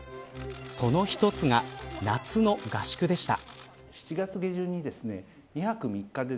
その一つが夏の合宿でした。